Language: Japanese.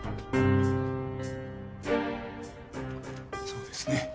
そうですね。